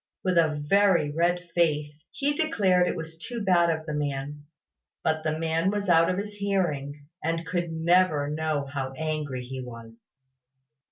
With a very red face, he declared it was too bad of the man: but the man was out of his hearing, and could never know how angry he was.